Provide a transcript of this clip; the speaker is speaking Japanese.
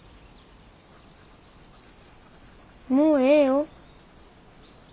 もうええよ。